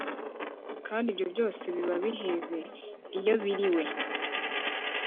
kandi ibyo byose biba biheze iyo biriwe